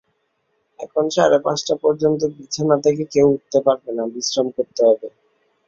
এখন সাড়ে পাঁচটা পর্যন্ত বিছানা থেকে কেউ উঠতে পারবে না– বিশ্রাম করতে হবে।